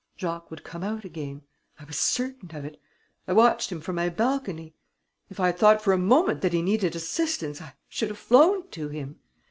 Jacques would come out again. I was certain of it.... I watched from my balcony.... If I had thought for a moment that he needed assistance, I should have flown to him....